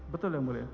betul yang mulia